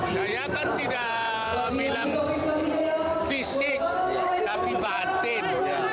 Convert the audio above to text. saya kan tidak bilang fisik tapi batin